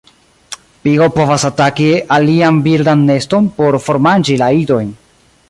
Pigo povas ataki alian birdan neston por formanĝi la idojn.